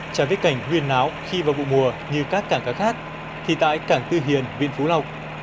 trả vết cảnh huyền náo khi vào vụ mùa như các cảng cá khác thì tại cảng tư hiền huyện phú lộc